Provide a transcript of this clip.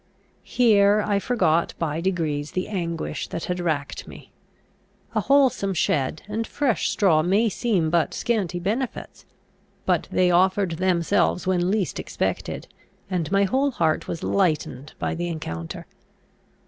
Here I forgot by degrees the anguish that had racked me. A wholesome shed and fresh straw may seem but scanty benefits; but they offered themselves when least expected, and my whole heart was lightened by the encounter.